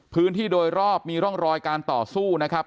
พื้นที่โดยรอบมีร่องรอยการต่อสู้นะครับ